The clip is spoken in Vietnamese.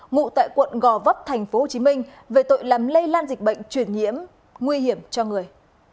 ngụ tại quận gò vấp tp hcm về tội làm lây lan dịch bệnh truyền nhiễm nguy hiểm cho người